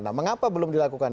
nah mengapa belum dilakukan